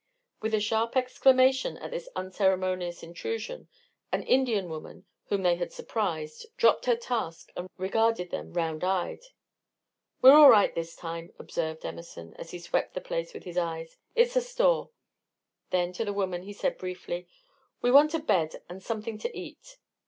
With a sharp exclamation at this unceremonious intrusion, an Indian woman, whom they had surprised, dropped her task and regarded them, round eyed. "We're all right this time," observed Emerson, as he swept the place with his eyes. "It's a store." Then to the woman he said, briefly: "We want a bed and something to eat."